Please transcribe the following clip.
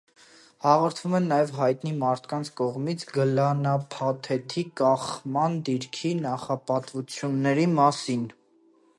Հաղոդվում են նաև հայտնի մարդկանց կողմից գլանափաթեթի կախման դիրքի նախապատվությունների մասին։